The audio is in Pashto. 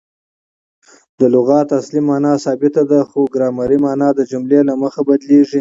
د لغت اصلي مانا ثابته ده؛ خو ګرامري مانا د جملې له مخه بدلیږي.